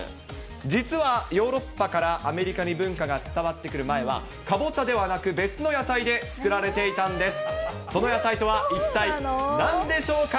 実は、ヨーロッパからアメリカに文化が伝わって来る前は、カボチャではなく、別の野菜で作られていたんです。